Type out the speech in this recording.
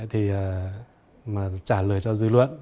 thì trả lời cho dư luận